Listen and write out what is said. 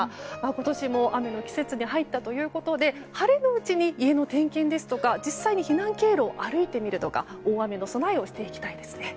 今年も雨の季節に入ったということで晴れのうちに家の点検ですとか実際に避難経路を歩いてみるとか大雨の備えをしていきたいですね。